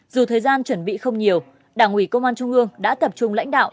dù thời gian chuẩn bị không nhiều đảng ủy công an trung ương đã tập trung lãnh đạo